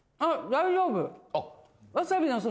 大丈夫。